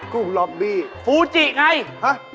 กุ้งล็อบบี้ฟูจิไงฮะ